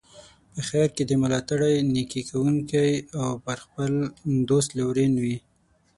په خیر کې دي ملاتړی، نیکي کوونکی او پر خپل دوست لورین وي.